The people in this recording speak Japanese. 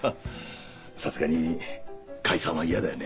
さすがに解散は嫌だよね。